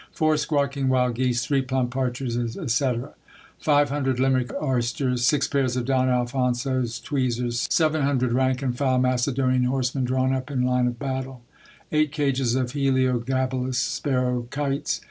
Four squawking wild geese, three plump partridges, etc. Five hundred Limerick oysters. Six pairs of Don Alfonso's tweezers. Seven hundred rank and file Macedonian horsemen drawn up in line of battle. Eight cages of heliogabalus sparrow kites.